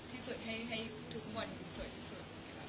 ให้สุดให้ทุกคนสวยที่สุด